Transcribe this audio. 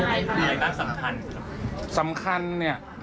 อะไรแบบสำคัญสำคัญเนี่ย